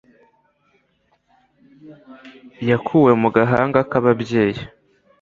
Yakuwe mu gahanga k'ababyeyi